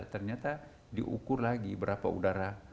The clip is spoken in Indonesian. ternyata diukur lagi berapa udara berapa kecepatan air